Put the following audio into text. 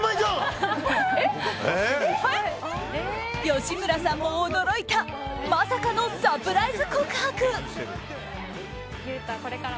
吉村さんも驚いたまさかのサプライズ告白。